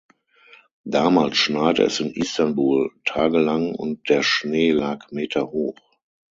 Damals schneite es in Istanbul tagelang und der Schnee lag meterhoch.